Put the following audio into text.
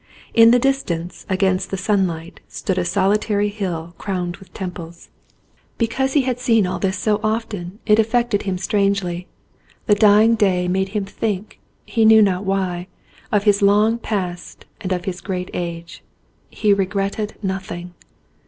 In the distance against the sunlight stood a solitary hill crowned with temples. Because he had seen 181 ON A CHINESE SCKEEN all this so often it affected him strangely. The dying day made him think, he knew not why, of Lis long past and of his great age. He regretted nothing.